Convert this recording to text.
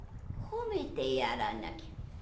褒めてやらなきゃ。